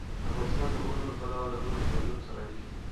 افغانستان د غرونه له پلوه له نورو هېوادونو سره اړیکې لري.